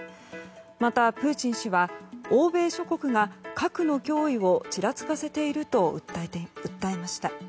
またプーチン氏は欧米諸国が格の脅威をちらつかせていると訴えました。